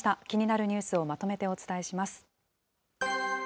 気になるニュースをまとめてお伝えします。